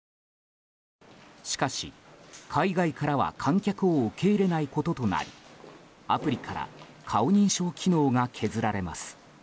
しかし、海外からは観客を受け入れないこととなりアプリから顔認証機能が削られます。